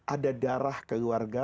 ada darah keluarga